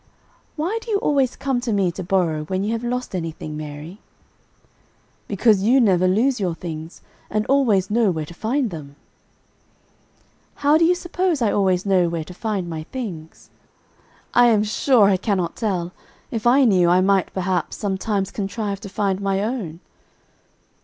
"Why do you always come to me to borrow when you have lost anything, Mary?" "Because you never lose your things, and always know where to find them." "How do you suppose I always know where to find my things?" "I am sure I cannot tell. If I knew, I might, perhaps, sometimes contrive to find my own."